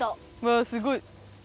わあすごい。